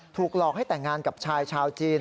ถูกหลอกให้แต่งงานกับชายชาวจีน